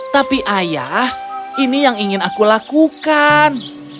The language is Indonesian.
tapi ayah ini yang ingin aku lakukan